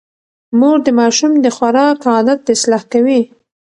مور د ماشوم د خوراک عادت اصلاح کوي.